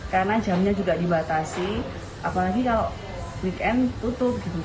karena jamnya juga dibatasi apalagi kalau weekend tutup gitu